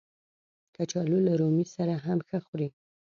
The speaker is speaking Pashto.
کچالو له رومي سره هم ښه خوري